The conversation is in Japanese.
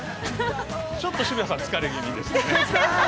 ◆ちょっと渋谷さん、疲れぎみですね。